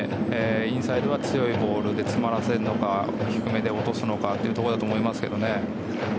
インサイドは強いボールで詰まらせるのか低めで落とすかだと思います。